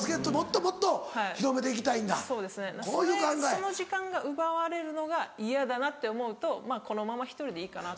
その時間が奪われるのが嫌だなって思うとまぁこのまま１人でいいかな。